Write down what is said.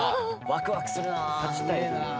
ワクワクするなあ。